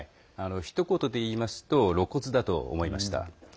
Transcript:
ひと言でいいますと露骨だと思いました。